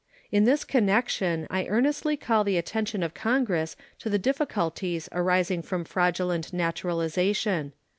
In this connection I earnestly call the attention of Congress to the difficulties arising from fraudulent naturalization.